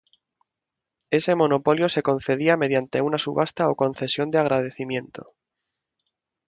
Ese monopolio se concedía mediante una subasta o concesión de agradecimiento.